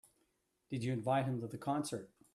Did you invite him to the concert?